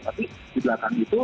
tapi di belakang itu